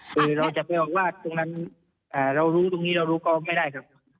คือเราจะไปออกวาดตรงนั้นเรารู้ตรงนี้เรารู้ก็ไม่ได้ครับ